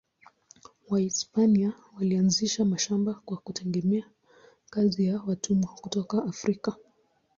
Wahispania walianzisha mashamba kwa kutegemea kazi ya watumwa kutoka Afrika.